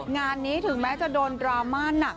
งานนี้ถึงแม้จะโดนดราม่าหนัก